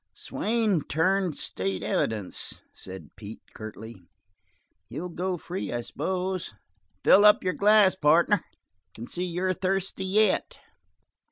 "Swain turned state's evidence," said Pete, curtly. "He'll go free, I suppose. Fill up your glass, partner. Can see you're thirsty yet."